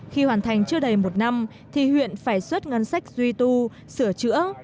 khi hoàn thành chưa đầy một năm thì huyện phải xuất ngân sách duy tu sửa chữa